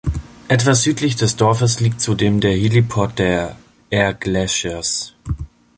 Etwas südlich des Dorfes liegt zudem der Heliport der Air Glaciers.